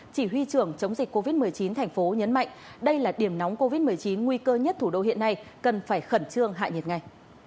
chỉ huy trưởng chống dịch covid một mươi chín thành phố nhấn mạnh đây là điểm nóng covid một mươi chín nguy cơ nhất thủ đô hiện nay cần phải khẩn trương hạ nhiệt ngay